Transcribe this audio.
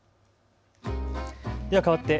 ではかわって＃